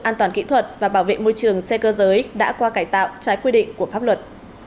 an toàn kỹ thuật và bảo vệ môi trường xe cơ giới đã qua cải tạo trái quy định của pháp luật